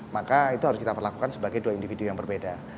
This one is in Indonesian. maka itu harus kita perlakukan sebagai dua individu yang berbeda